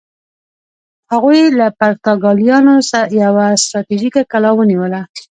هغوی له پرتګالیانو یوه ستراتیژیکه کلا ونیوله.